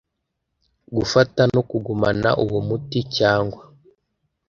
gufata no kugumana uwo umuti cyangwa